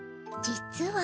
実は。